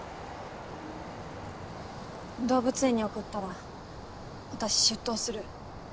動物園に送ったら私出頭する。